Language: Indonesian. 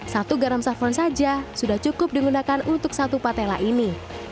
satu garam safon saja sudah cukup digunakan untuk satu patella ini